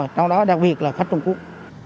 trong đó đặc biệt là khách trung quốc